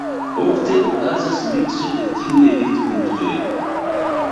Ofte okazas mikso de tiuj vidpunktoj.